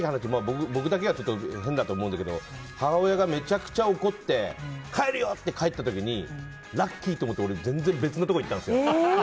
僕だけが変だと思うんだけど母親がめちゃめちゃ怒って帰るよ！って帰った時にラッキーと思って全然違うところ行ったんですよ。